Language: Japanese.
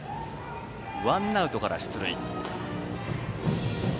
ワンアウトから出塁。